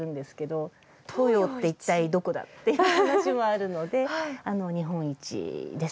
東洋って一体どこだっていう話もあるので日本一です。